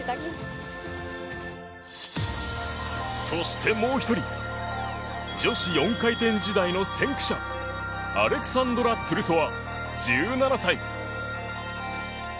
そして、もう１人女子４回転時代の先駆者アレクサンドラ・トゥルソワ１７歳。